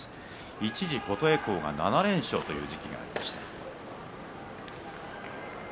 一時、琴恵光が７連勝ということもありました。